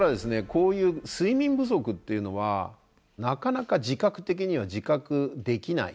こういう睡眠不足っていうのはなかなか自覚的には自覚できない。